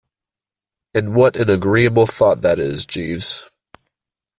And what an agreeable thought that is, Jeeves.